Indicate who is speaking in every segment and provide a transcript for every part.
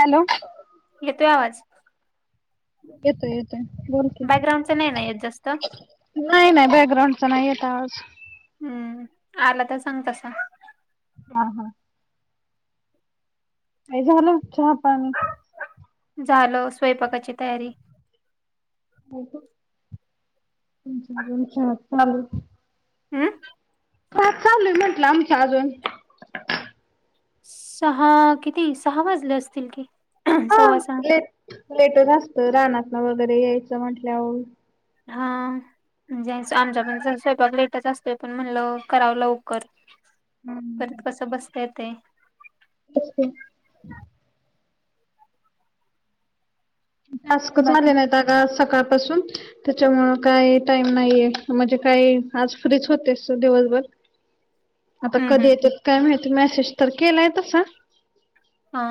Speaker 1: Hello?
Speaker 2: येतोय आवाज.
Speaker 1: येतोय येतोय बोल की
Speaker 2: बॅकग्राऊंडचा नाही ना येत जास्त?
Speaker 1: नाही, नाही, बँगराउंडचा नाही येत आवाज,
Speaker 2: हं, आला तर सांग तसा.
Speaker 1: ह, हा. काय झालं, चहा पाणी?
Speaker 2: झालं, स्वयंपाकाची तयारी.
Speaker 1: [unintelligible] आमचं आजून चहा चालूच.
Speaker 2: हं?
Speaker 1: काय चालूय म्हंटलं, आमच अजून?
Speaker 2: सहा किती सहा वाजले असतील कि,
Speaker 1: हा
Speaker 2: सव्वा सहा.
Speaker 1: लेट लेटच असत, रानातन वगैरे यायचं म्हंटल्यावर.
Speaker 2: हा. म्हणजे, आमच्या [unintelligible] पण स्वयपाक लेटच असतोय, पण म्हणलं करावं लवकर. परत कस बसता येतय.
Speaker 1: होय काय? [unintelligible]
Speaker 2: बाकी
Speaker 1: नाहीत सकाळपासून त्याच्यामुळ काही टाईम नाहीये, म्हणजे काही आज फ्रीच होतेस दिवसभर. आता
Speaker 2: हम्म हम्म
Speaker 1: कधी
Speaker 2: हम्म
Speaker 1: येत्यात काय माहिती, मेसेज तर केलाय तसा.
Speaker 2: हो.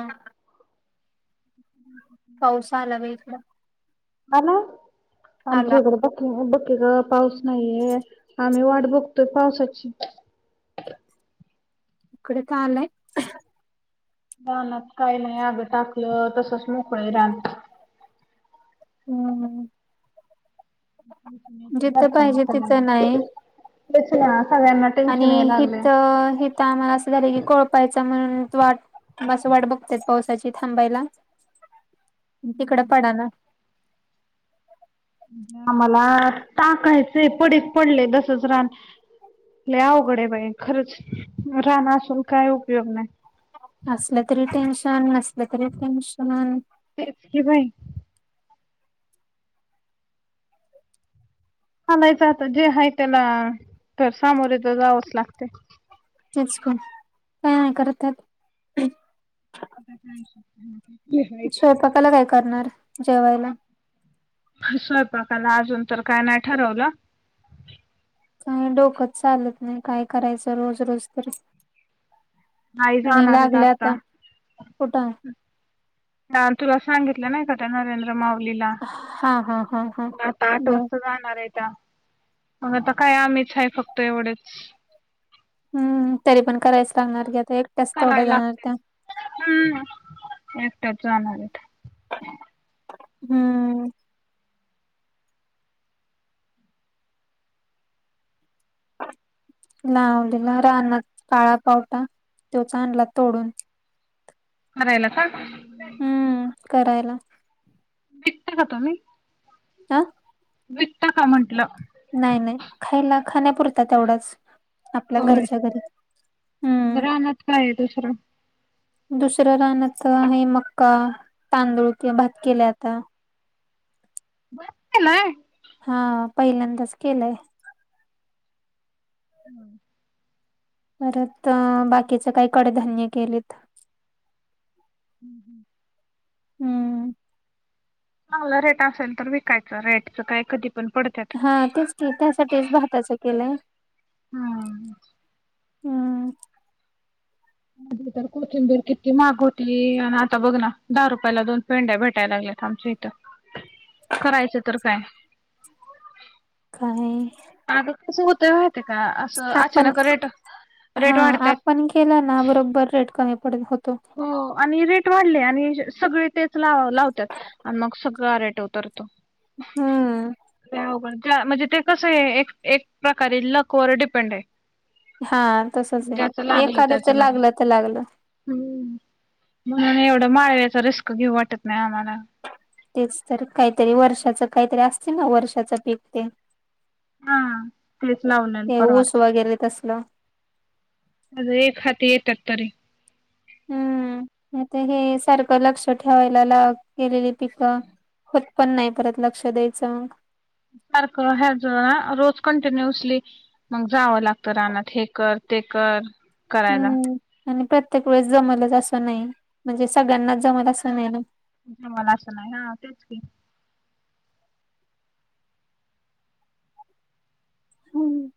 Speaker 2: पावस आला बाई इकडं.
Speaker 1: आला,
Speaker 2: आला
Speaker 1: आमच्याइकड [unintelligible] बघ कि ग पाऊस नाहीये, आम्ही वाट बघतोय पावसाची.
Speaker 2: इकडे त आलाय.
Speaker 1: रानात काय नाही आग टाकलं, तसच मोकळे रान.
Speaker 2: हं, हं. पाहिजे तिथं नाही
Speaker 1: [unintelligible] तेच ना सगळ्यांना
Speaker 2: आणि
Speaker 1: टेन्शन याय लागले
Speaker 2: हित, हित आम्हाला, असं झालं की कोळपायचं म्हण वाट म असं वाट बघतेयत पावसाची थांबायला, तिकड पडना.
Speaker 1: आम्हाला टाकायचंय पडीक पडलय, तसच रान. लय अवघडे बाई खरंच, रान आसून काय उपयोग नाही.
Speaker 2: असलं तरी टेन्शन, नसलं तरी टेन्शन.
Speaker 1: तेच की बाई. सांगायचं आता जे हाय त्याला तर सामोरेच जावंच लागते.
Speaker 2: तेच की काय नाही करतात.
Speaker 1: का काय श
Speaker 2: स्वयंपाकाला काय करणार? जेवायला.
Speaker 1: स्वयंपाकाला अजून तर काय नाही ठरवलं.
Speaker 2: काही डोकत चालत नाही, काय करायचं रोज रोज तर.
Speaker 1: आई
Speaker 2: मुली
Speaker 1: जाणार आहेत
Speaker 2: लागल्या आहे आता कुठं?
Speaker 1: काल तुला सांगितलं नाही का? त्या नरेंद्र माऊलीला
Speaker 2: हा हा हा हा
Speaker 1: पण आता आठ
Speaker 2: बर
Speaker 1: वाजता जाणार आहेत. मग आता काय आम्हीच आहे फक्त एवढेच.
Speaker 2: हम्म तरी पण करायचं लागणार की, आता एक
Speaker 1: करावे लागते हम्म एकट्याच जाणार आहेत.
Speaker 2: हम्म! लावलेला रानात काळा पावटा तो चां आनला तोडून.
Speaker 1: करायला का?
Speaker 2: हम्म! करायला.
Speaker 1: विकता का तुम्ही?
Speaker 2: अ?
Speaker 1: विकता का म्हंटलं.
Speaker 2: नाही नाही! खायला खाण्यापुरता तेवढंच. आपल्या
Speaker 1: होय
Speaker 2: घरच्या घरी.
Speaker 1: मग
Speaker 2: हम्!
Speaker 1: रानात काय आहे दुसरं
Speaker 2: दुसरं रानाचं आहे मक्का, तांदूळ किंवा भात केल्या आता.
Speaker 1: भात केलाय!
Speaker 2: हा पहिल्यांदाच केलंय.
Speaker 1: हम्म!
Speaker 2: परत बाकीचे काही कडधान्य केलेत.
Speaker 1: हम् हं!
Speaker 2: हम्म!
Speaker 1: चांगला रेट असेल तर विकायचं रेटच काय कधी पण पडत.
Speaker 2: हा तेच की त्यासाठीच भाताचं केलंय.
Speaker 1: हम्म
Speaker 2: हम्म!
Speaker 1: आधी तर कोथिंबीर किती महाग होती आणि आता बघ ना दहा रुपयाला दोन पेंड्या भेटायला लागल्यात आमच्या इथं. करायचं तर काय?
Speaker 2: काही
Speaker 1: आता कसं होतंय माहिते का! असं
Speaker 2: आपण
Speaker 1: अचानक रेट रेट वाढत्यात.
Speaker 2: केला ना बरोबर रेट कमी पडत होतो.
Speaker 1: हो आणि रेट वाढले आणि सगळे तेच लावतात. आणि मग सगळं रेट उतरतो.
Speaker 2: हम्म
Speaker 1: लई अवघड म्हणजे ते कस आहे एक एक प्रकारे लक वर डिपेंड आहे.
Speaker 2: हा तसच
Speaker 1: ज्याचं
Speaker 2: आहे
Speaker 1: लागलं
Speaker 2: एखाद्याच
Speaker 1: त्याचं
Speaker 2: लागलं तर लागलं.
Speaker 1: हम्म! म्हणून एवढं माळव्याचा रिस्क घेऊ वाटत नाही आम्हाला.
Speaker 2: तेच तर काहीतरी वर्षाच काहीतरी असते ना वर्षाच पीक तेन.
Speaker 1: हा तेच लावलेल
Speaker 2: हे ऊस
Speaker 1: परवडत
Speaker 2: वगैरे तसलं.
Speaker 1: लई खाते तरतरी.
Speaker 2: हम्म! आता हे सारखं लक्ष ठेवायला केलेली पिकं. होत पण नाही परत लक्ष द्यायचं.
Speaker 1: सारखं ह्या जो आ रोज कंटिन्युअसली मग जावं लागतं रानात हे कर ते कर करायला.
Speaker 2: हम्म आणि प्रत्येक वेळेस जमलच असं नाही, म्हणजे सगळ्यांनाच जमल असं नाही ना.
Speaker 1: जमल असं नाही हा तेच की.
Speaker 2: हम्म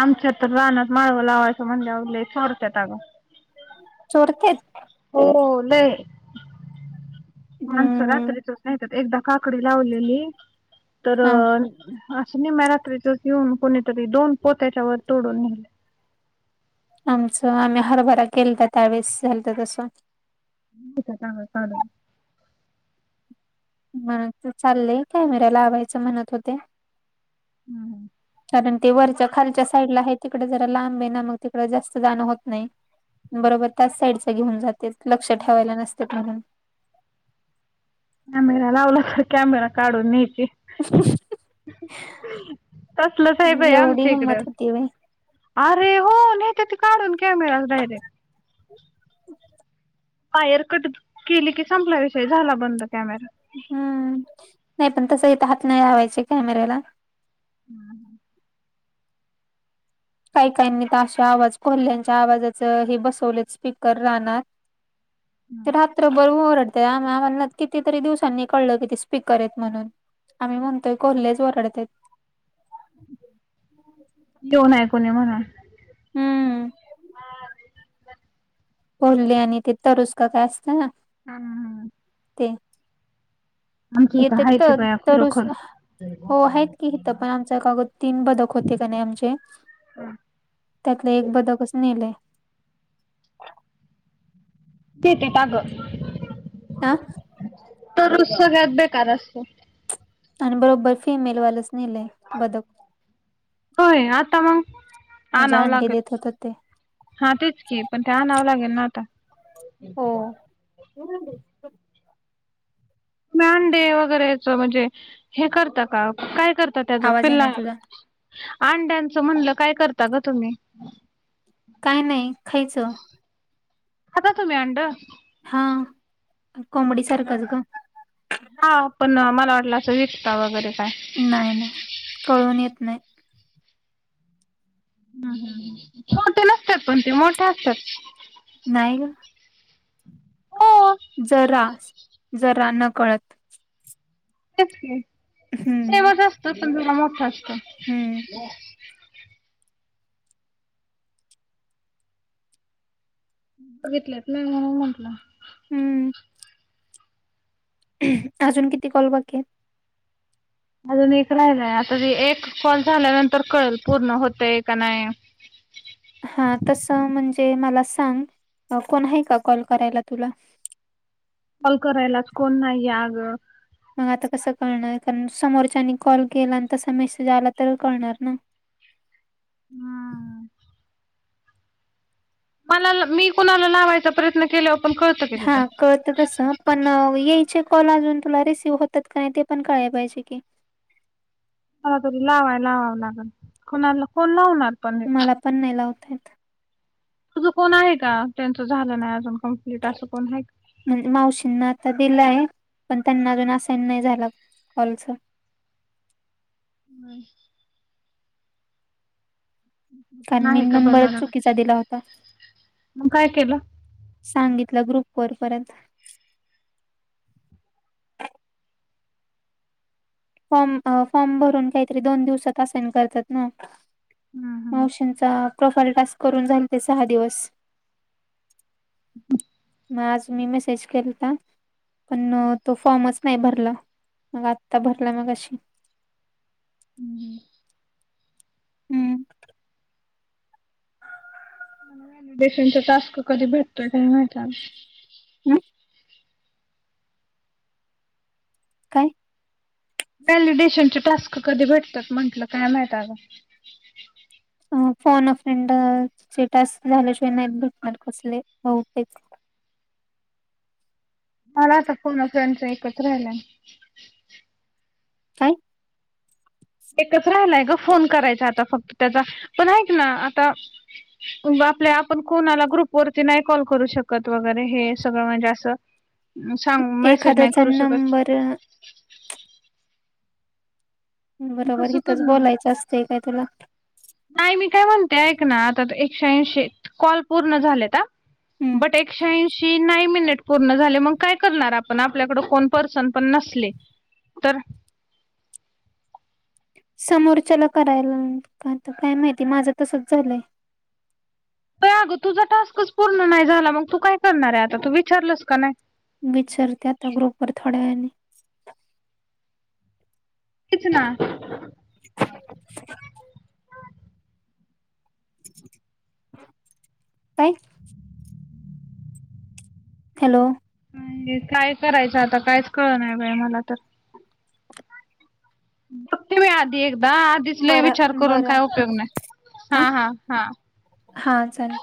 Speaker 1: आमच्या तर रानात माळव लावायच म्हणल्याव लय सोडत्यात अग.
Speaker 2: चोरत्यात
Speaker 1: हो लय माणसं
Speaker 2: हम्म
Speaker 1: रात्रीचच नाही का एकदा काकडी लावलेली तर
Speaker 2: हा
Speaker 1: असं नी म्या रात्रीत येऊन कोणीतरी दोन पोत्याच्या वर तोडून नेले.
Speaker 2: आमचं आम्ही हरभरा केलता त्यावेस झालत तसं.
Speaker 1: हम्म नेत्या चांगल चालत.
Speaker 2: मंग च चालय कॅमेरा लावायचं म्हणत होते.
Speaker 1: हम्म हम्म
Speaker 2: कारण ते वरच्या खालच्या साईड ला आहे तिकड जरा लांब आहे ना मग तिकड जास्त जाणं होत नाही. बरोबर त्याच साईडच घेऊन जातेत लक्ष ठेवायला नसते म्हणून.
Speaker 1: कॅमेरा लावला तर कॅमेरा काढून नेती तसलंच आहे बाई
Speaker 2: एवढी
Speaker 1: आमच्या इकडं.
Speaker 2: हिंमत होती व्हय
Speaker 1: अरे हो नेते ते काढून कॅमेरा डायरेक्ट. वायर कट केली की संपला विषयी झाला बंद कॅमेरा.
Speaker 2: हम्म नाही पण तसं इथ हात नाही लावायचे कॅमेऱ्याला.
Speaker 1: [inaudible]
Speaker 2: काही काहीनी त अशे आवाज कोल्हयांच्या आवाजाच हे बसवले आहेत स्पीकर रानात. ते रात्रभर ओरड ते आम्हा आम्हाना कितीतरी दिवसांनी कळल, की ते स्पीकर आहेत म्हणून. आम्ही म्हणतोय कोल्हेच ओरडतेत.
Speaker 1: येेऊ नाही कोणी म्हणून.
Speaker 2: हम्म कोल्हे आणि ते तरुस का काय असते ना
Speaker 1: हा
Speaker 2: ते
Speaker 1: आमच्या इथं
Speaker 2: येतेत
Speaker 1: हाय
Speaker 2: त
Speaker 1: ते बाया
Speaker 2: तरुस
Speaker 1: खरोखर
Speaker 2: हो हाहेत की इथं पण आमचा कागोद तीन बदक होते का नाही आमचे
Speaker 1: हम्म
Speaker 2: त्यातलं एक बदकच नेलय.
Speaker 1: ते ती ताग
Speaker 2: आ
Speaker 1: तरुस सगळ्यात बेकार असत.
Speaker 2: आणि बरोबर फिमेलवालंच नेलंय बदक.
Speaker 1: होय आता मग
Speaker 2: म्हणजे
Speaker 1: आनाव
Speaker 2: अंडी
Speaker 1: लागल.
Speaker 2: देत होत ते
Speaker 1: हा तेच की पण ते आनावं लागेल ना आता
Speaker 2: [unintelligible]
Speaker 1: तुम्ही अंडे वगैरेच म्हणजे हे करता का काय करता त्याच
Speaker 2: आवाज ये नाही
Speaker 1: पिल्ला
Speaker 2: तुझा
Speaker 1: अंड्यांचं म्हणलं काय करता ग तुम्ही?
Speaker 2: काय नाही खायचं.
Speaker 1: खाता तुम्ही अंड?
Speaker 2: हा कोंबडी सारखंच ग.
Speaker 1: हा, पण मला वाटलं असं विकता वगैरे काय?
Speaker 2: नाही, नाही कळून येत नाही.
Speaker 1: हं, हं, हं, छोटे नसत्यात पण, ते मोठे असत्यात.
Speaker 2: नाही ग.
Speaker 1: हो
Speaker 2: जरास जरा नकळत.
Speaker 1: ते की,
Speaker 2: हम्म
Speaker 1: शेवट असत, पण जरा मोठा असतो.
Speaker 2: हम्म.
Speaker 1: [inaudible] घेतलेत ना, म्हणून म्हटलं.
Speaker 2: हम्म. [unintelligible] आजून किती कॉल बाकीेत आहे.
Speaker 1: अजून एक राहिलंय, आता एक कॉल झाल्यानंतर कळेल पूर्ण होतय का नाय?
Speaker 2: हा, तस म्हणजे मला सांग, कोण आहे का कॉल करायला तुला?
Speaker 1: कॉल करायलाच कोण नाही आग.
Speaker 2: आता कसं कळणार कारण, समोरच्यानी कॉल केला आणि तसा मेसेज आला तर कळणार ना.
Speaker 1: हा. मला मी कुणाला लावायचा प्रयत्न केल्याव
Speaker 2: हा कळत तस. पण, यायचे कॉल अजून तुला रिसीव्ह होतात का नाही, ते पण कळाय पाहिजे की.
Speaker 1: आला तरी लावाय लावाव लागन, कोणाला कोण लावणार? पण हे.
Speaker 2: मला पण नाही लावता येत.
Speaker 1: तुझं कोण आहे का? त्यांच झालं नाही अजून कंप्लीट, असं कोण आहे का?
Speaker 2: म्हणजे मावशींना आता दिलाय, पण त्यांना अजून असाईन नाही झाला कॉलच.
Speaker 1: [unintelligible]
Speaker 2: कारण,
Speaker 1: का आहे
Speaker 2: मीन
Speaker 1: का
Speaker 2: नंबर
Speaker 1: बघायला लागल.
Speaker 2: चुकीचा दिला होता.
Speaker 1: मग काय केलं?
Speaker 2: सांगितलं ग्रुप वर परत. फॉर्म अ फॉर्म भरून काहीतरी दोन दिवसात असाईन करतात ना?
Speaker 1: हम्म हम्म
Speaker 2: मावशींचा प्रोफाईल टास्क करून झालते सहा दिवस.
Speaker 1: [inaudible]
Speaker 2: आज मी मेसेज केलता, पण तो फॉर्मच नाय भरला, मग आत्ता भर ला मगाशी.
Speaker 1: हम्म.
Speaker 2: हं.
Speaker 1: [unintelligible] टास्क कधी भेटतोय काय माहित अगं?
Speaker 2: [inaudible] काय?
Speaker 1: व्हॅलिडेशनचे टास्क कधी भेटतात म्हटलं, काय माहित आगं?
Speaker 2: फोन अ फ्रेंड चे टास्क झाल्याशिवाय नाहीत भेटणार कसले बहुतेक.
Speaker 1: मला आता फोन अ फ्रेंडचा एकच राहिलाय.
Speaker 2: काय?
Speaker 1: एकच राहिलाय ग फोन करायचा आता फक्त त्याचा, पण आयक ना आता आपल्या आपण कोणाला ग्रुप वरती नाय कॉल करू शकत वगैरे, हे सगळं म्हणजे असं सांग म्यासेज नाय करू शकत
Speaker 2: तर बरोबर
Speaker 1: कसं
Speaker 2: हिथंच
Speaker 1: करणार?
Speaker 2: बोलायचं असतय काय तुला?
Speaker 1: नाही मी काय म्हणते ऐक ना, आता एकशे ऐंशी कॉल पूर्ण झालेत हं
Speaker 2: हम्म
Speaker 1: बट एकशे ऐंशी नाही मिनिट पूर्ण झाले मग काय करणार आपण? आपल्याकडं कोण पर्सन पण नसले तर.
Speaker 2: समोरच्याला करायला, पण आता काय माहिती माझं तसंच झालंय.
Speaker 1: बया अगं तुझा टास्कच पूर्ण नाय झाला मग तू काय करणार आहे आता तू विचारलंस का नाय?
Speaker 2: विचारते आता ग्रुप वर थोड्या वेळाने ऽ
Speaker 1: तेच ना.
Speaker 2: ह [inaudible] ष [inaudible] हॅलो. !
Speaker 1: काय करायचं आता कायच कळं नाही बाई मला तर. बघते मी आधी एकदा, आधीच लय विचार
Speaker 2: बरं
Speaker 1: करून
Speaker 2: बरं
Speaker 1: काय उपयोग नाही, हा हा हा.
Speaker 2: हा चाल